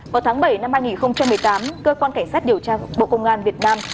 vào tháng bảy năm hai nghìn một mươi tám cơ quan cảnh sát điều tra bộ công an việt nam